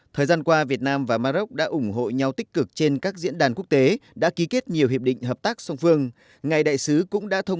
thời gian qua việt nam và maroc đã ủng hộ nhau tích cực trên các diễn đàn quốc tế đã ký kết nhiều hiệp định hợp tác song phương